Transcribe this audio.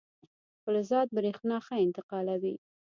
فلزات برېښنا ښه انتقالوي.